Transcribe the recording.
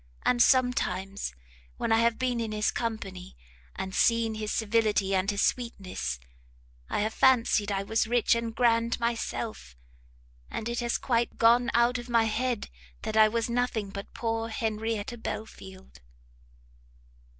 and sometimes when I have been in his company, and seen his civility and his sweetness, I have fancied I was rich and grand myself, and it has quite gone out of my head that I was nothing but poor Henrietta Belfield!"